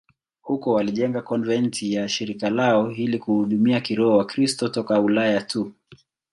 Huko walijenga konventi ya shirika lao ili kuhudumia kiroho Wakristo toka Ulaya tu.